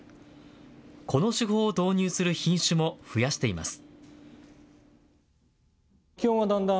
この手法を導入する品種も増やしています。